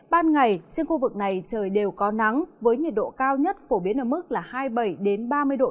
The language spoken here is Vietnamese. ban ngày trên khu vực này trời đều có nắng với nhiệt độ cao nhất phổ biến ở mức hai mươi bảy ba mươi độ c